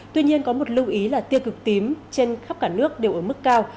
tuy nhiên có một lưu ý là tiêu cực tím trên khắp cả nước đều ở mức cao